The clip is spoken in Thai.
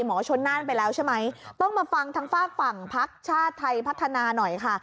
หมอชนน่านไปแล้วใช่ไหมต้องมาฟังทางฝากฝั่งพักชาติไทยพัฒนาหน่อยค่ะ